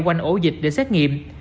quanh ổ dịch để xét nghiệm